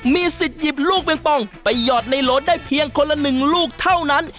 มีสิทธิ์หยิบลูกปิงปองไปหยอดในโหลดได้เพียงคนละ๑ลูกเท่านั้น